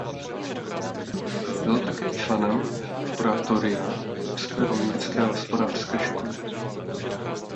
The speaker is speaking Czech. Byl také členem kuratoria chebské rolnické a hospodářské školy.